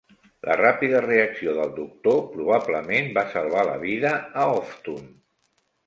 La ràpida reacció del doctor probablement va salvar la vida a Hoftun.